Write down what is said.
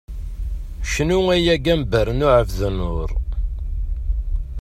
Cnu ay agambar n Ԑebdennur!